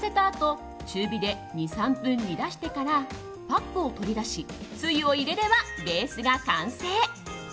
あと中火で２３分煮出してからパックを取り出しつゆを入れればベースが完成。